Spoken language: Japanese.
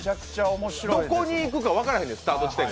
どこに行くか分からんねん、スタート地点が。